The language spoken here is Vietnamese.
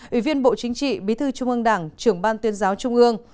ủy viên bộ chính trị bí thư trung ương đảng trưởng ban tuyên giáo trung ương